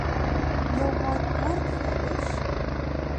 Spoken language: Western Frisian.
Jo heit buorke hjir dus?